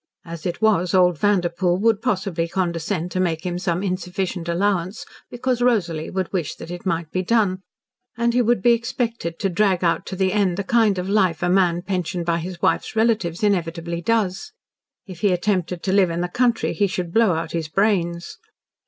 As it was, old Vanderpoel would possibly condescend to make him some insufficient allowance because Rosalie would wish that it might be done, and he would be expected to drag out to the end the kind of life a man pensioned by his wife's relatives inevitably does. If he attempted to live in the country he should blow out his brains.